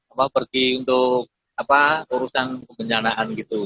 apa pergi untuk urusan kebencanaan gitu